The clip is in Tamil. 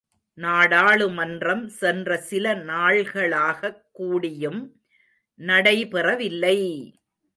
நாடாளுமன்றம் சென்ற சில நாள்களாகக் கூடியும் நடைபெறவில்லை!